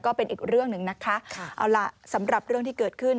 ก็เป็นอีกเรื่องหนึ่งนะคะเอาล่ะสำหรับเรื่องที่เกิดขึ้น